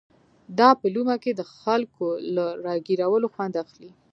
دا په لومه کې د خلکو له را ګيرولو خوند اخلي.